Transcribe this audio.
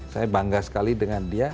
saya bangga sekali dengan dia